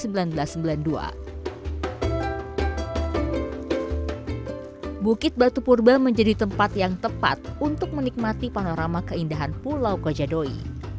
bukit batu purba menjadi tempat yang tepat untuk menikmati panorama keindahan pulau kojadoi